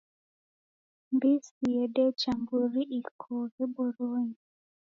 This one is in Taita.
Mbisi yedeja mburi ikoghe boronyi.